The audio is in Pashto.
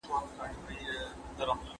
بېکاره مه ګرځئ.